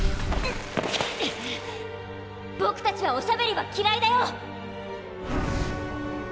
ボクたちはおしゃべりは嫌いだよ！